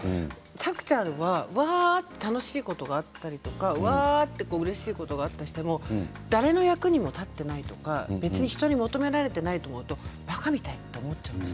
さくちゃんは楽しいことがあったりとかうれしいことがあったりしても誰の役にも立っていないとか人に求められていないと思ったらばかみたいと思ってしまうんです。